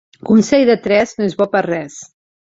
Consell de tres no és bo per res.